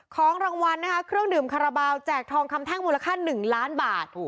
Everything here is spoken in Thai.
ของรางวัลนะคะเครื่องดื่มคาราบาลแจกทองคำแท่งมูลค่า๑ล้านบาท